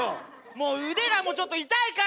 もう腕がちょっと痛いから。